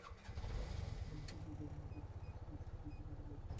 তাহলেই সুস্থ থেকে মাসে তিন থেকে চার কেজি ওজন ঝেড়ে ফেলতে পারেন।